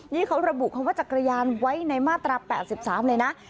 นี่เขาระบุคำว่าจักรยานไว้ในมาตรา๘๓เลยนะ